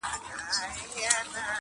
• په تور یې د پردۍ میني نیولی جهاني یم -